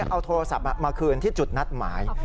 เอาโทรศัพท์มาคืนที่จุดนัดหมาย